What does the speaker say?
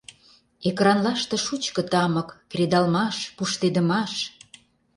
Экранлаште шучко тамык, Кредалмаш, пуштедымаш.